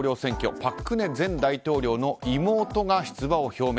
朴槿惠前大統領の妹が出馬を表明。